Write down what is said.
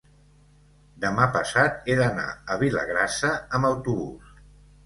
demà passat he d'anar a Vilagrassa amb autobús.